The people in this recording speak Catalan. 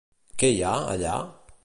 Què hi ha, allà?